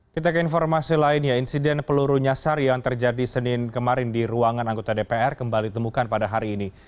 kita ke informasi lainnya insiden peluru nyasar yang terjadi senin kemarin di ruangan anggota dpr kembali ditemukan pada hari ini